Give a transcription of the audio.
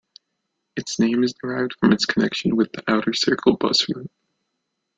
Its name is derived from its connection with the Outer Circle bus route.